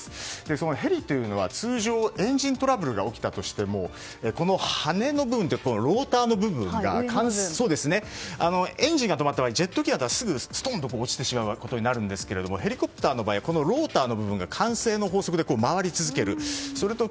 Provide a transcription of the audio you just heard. そのヘリというのは通常、エンジントラブルが起きたとしても羽の部分というかローターの部分がエンジンが止まった場合ジェット機だったら落ちてしまうことになるんですがヘリコプターの場合はこのローターの部分が慣性の法則で回り続ける。